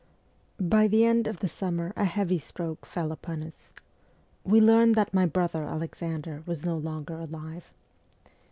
By the end of the summer a heavy stroke fell upon us. We learned that. my brother Alexander was no longer alive.